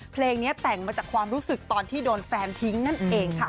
เพลงนี้แต่งมาจากความรู้สึกตอนที่โดนแฟนทิ้งนั่นเองค่ะ